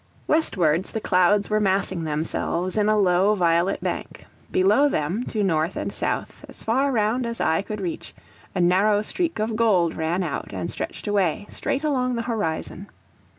Westwards the clouds were massing themselves in a low violet bank; below them, to north and south, as far round as eye could reach, a narrow streak of gold ran out and stretched away, straight along the horizon.